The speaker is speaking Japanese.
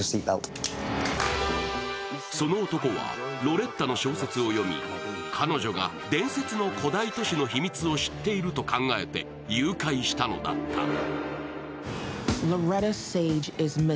その男はロレッタの小説を読み彼女が伝説の古代都市の秘密を知っていると考えて誘拐したのだった。